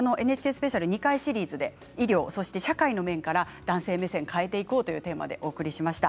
２回シリーズで医療そして社会の面から男性目線を変えていこうというテーマでお送りしました。